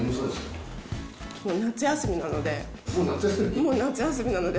もう夏休みなので。